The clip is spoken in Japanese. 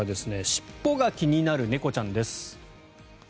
尻尾が気になる猫ちゃんです。